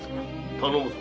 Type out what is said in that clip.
頼むぞ。